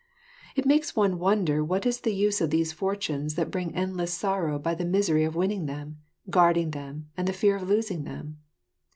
It makes one wonder what is the use of these fortunes that bring endless sorrow by the misery of winning them, guarding them, and the fear of losing them.